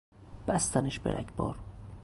بستنش به رگبار